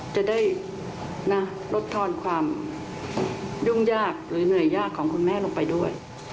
จะได้ลดทอนความยุ่งยากหรือเหนื่อยยากของคุณแม่ลงไปด้วย